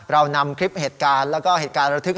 เรานำคลิปเหตุการณ์แล้วก็เหตุการณ์ระทึก